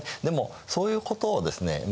でもそういうことをですね